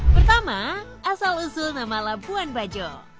pertama asal usul nama labuan bajo